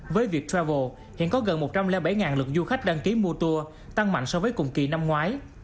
với việc travel hiện có gần một trăm linh bảy lượt du khách đăng ký mua tour tăng mạnh so với cùng kỳ năm ngoái